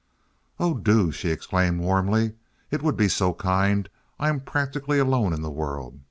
"Oh, do!" she exclaimed, warmly. "It would be so kind. I am practically alone in the world.